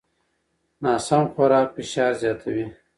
ناسم خوراک فشار زیاتوي.